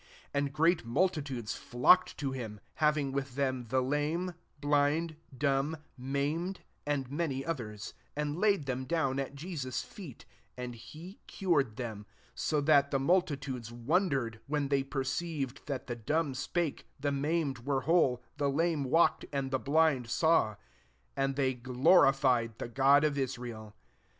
30 And great multitudes flocked to him, having with them the lame, blind, dumb, maimed, and many others; and laid them down at Jesus' feet: and he cured them : 31 so that the multitudes wondered, when they perceived that the dumb spake, the maimed were whole, the lame walked, and the blind saw: and they glorified the God of Israel.